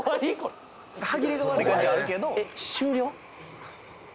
歯切れが悪い感じはあるけどえっ終了？